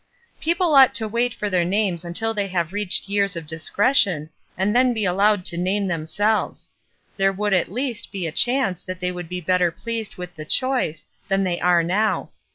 "People ought to wait for theu" names until they have reached years of discretion, and then be allowed to name themselves. There would, at least, be a chance that they would be better pleased with the choice than they are now.